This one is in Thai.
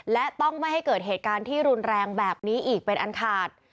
และต้องไม่ให้เกิดเหตุการณ์ที่รุนแรงแบบนี้อีกเป็นอันขาด